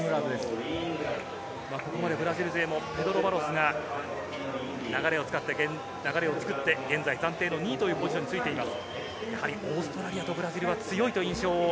ここまでブラジル勢もペドロ・バロスが流れを作って現在暫定の２位というポジションについています。